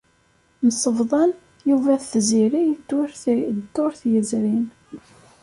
Msebḍan Yuba d Tiziri ddurt yezrin.